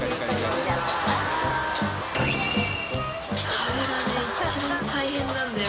壁がね一番大変なんだよ